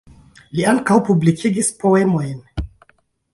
Li ankaŭ publikigis poemojn.